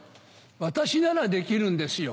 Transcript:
私ならできるんですよ。